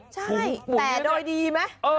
ใช่แต่โดยดีไหม